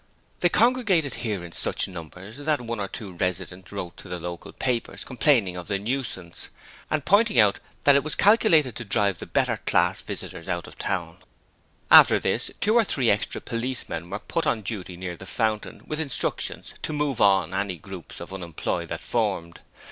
They congregated here in such numbers that one or two residents wrote to the local papers complaining of the 'nuisance', and pointing out that it was calculated to drive the 'better class' visitors out of the town. After this two or three extra policemen were put on duty near the fountain with instructions to 'move on' any groups of unemployed that formed.